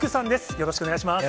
よろしくお願いします。